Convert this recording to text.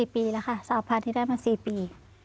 ปีแล้วค่ะ๓๐๐๐ที่ได้มา๔ปี